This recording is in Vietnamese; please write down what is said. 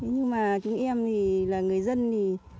nhưng mà chúng em là người dân thì